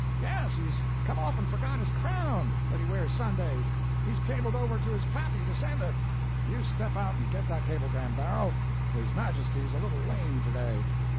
"Yes, he's come off and forgot his crown, that he wears Sundays. He's cabled over to his pappy to send it." "You step out and get that cablegram, Barrow; his majesty's a little lame to day."